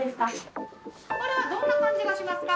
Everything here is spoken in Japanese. これはどんな感じがしますか？